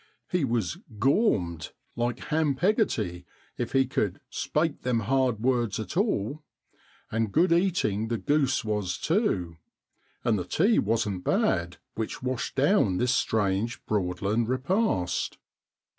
He was ' gormed,' like Ham Peggoty, if he could ' spake them hard words at all !' and good eating the goose was too; and the tea wasn't bad which washed down this strange Broadland repast.